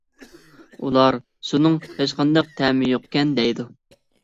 ئۇلار «سۇنىڭ ھېچقانداق تەمى يوقكەن» ، دەيدۇ.